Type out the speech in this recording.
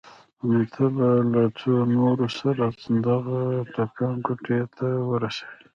نو ته به له څو نورو سره دغه ټپيان کوټې ته ورسوې.